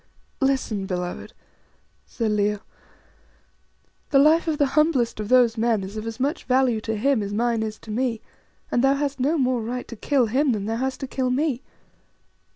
"Listen, beloved," said Leo. "The life of the humblest of those men is of as much value to him as mine is to me, and thou hast no more right to kill him than thou hast to kill me.